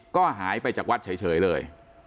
ก็หายไปจากวัดเฉยเลย